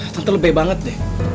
tante lebih banget deh